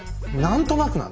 何となく。